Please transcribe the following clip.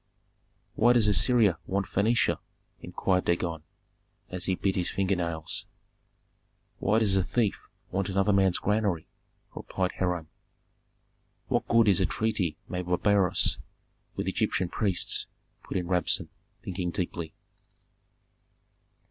"Why does Assyria want Phœnicia?" inquired Dagon, as he bit his finger nails. "Why does a thief want another man's granary?" replied Hiram. "What good is a treaty made by Beroes with Egyptian priests?" put in Rabsun, thinking deeply.